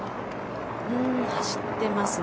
走ってますね。